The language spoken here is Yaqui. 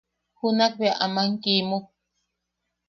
Junak bea aman kimuk.